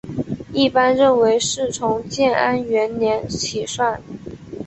一般认为是从建安元年起算。